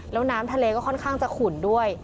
แล้วน้ำทะเลก็ค่อนข้างจะขุ่นด้วย